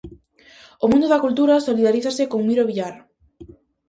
O mundo da cultura solidarízase con Miro Villar.